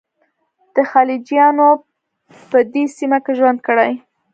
د خلجیانو په دې سیمه کې ژوند کړی.